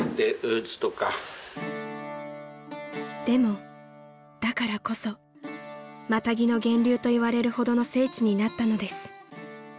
［でもだからこそマタギの源流といわれるほどの聖地になったのです］